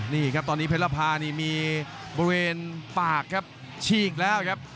นี่ครับตอนนี้เพชรภานี่มีบริเวณปากครับฉีกแล้วครับ